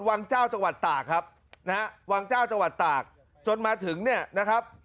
วังเจ้าจังหวัดตากครับนะฮะวังเจ้าจังหวัดตากจนมาถึงเนี่ยนะครับ